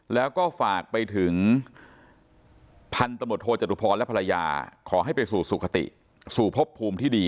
แล้วก็ฝากไปถึงพันธมตโทจตุพรและภรรยาขอให้ไปสู่สุขติสู่พบภูมิที่ดี